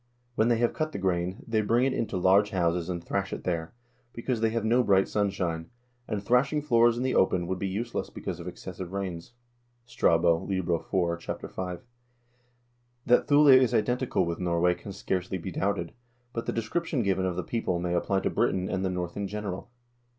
When they have cut the grain, they bring it into large houses and thrash it there, because they have no bright sunshine, and thrashing floors in the open would be useless because of excessive rains." Strabo, lib. IV., ch. V. That Thule is identical with Norway can scarcely be doubted, but the description given of the people may apply to Britain and the North in general.